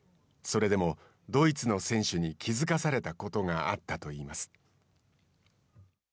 それでも、ドイツの選手に気づかされたことがあったといいます。